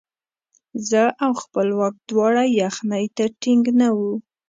زه او خپلواک دواړه یخنۍ ته ټینګ نه وو.